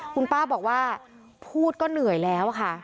คุณป้าบอกว่าพูดก็เหนื่อยแล้วค่ะ